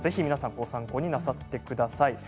ご参考になさってください。